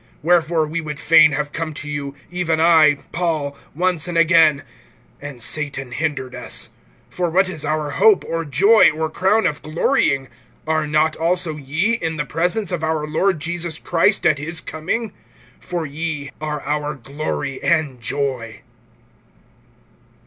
(18)Wherefore we would fain have come to you, even I, Paul, once and again; and Satan hindered us. (19)For what is our hope, or joy, or crown of glorying? Are not also ye, in the presence of our Lord Jesus Christ at his coming? (20)For ye are our glory and joy.